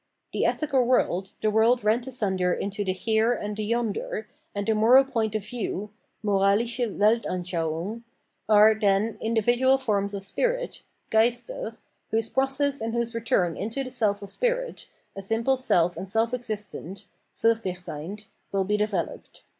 The ethical world, the world rent asunder into the 435 Spirit " here " and the " yonder," and the moral point of view {moralische Weltanschauung) are, then, individual forms of spirit {Geister) whose process and whose return into the self of spirit, a self simple and self existent {fuTsichseynd), will be developed.